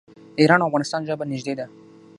د ایران او افغانستان ژبه نږدې ده.